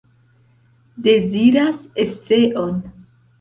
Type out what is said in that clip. Deziras eseon.